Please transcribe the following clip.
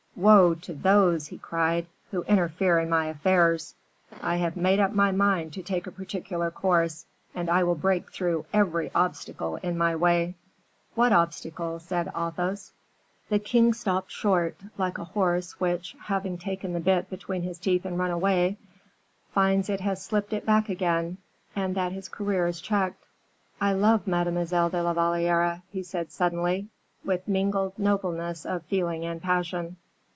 "Woe to those," he cried, "who interfere in my affairs. I have made up my mind to take a particular course, and I will break through every obstacle in my way." "What obstacle?" said Athos. The king stopped short, like a horse which, having taken the bit between his teeth and run away, finds it has slipped it back again, and that his career is checked. "I love Mademoiselle de la Valliere," he said suddenly, with mingled nobleness of feeling and passion.